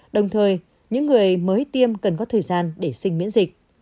đồng thời những người mới tiêm cần có thời gian để sinh miễn dịch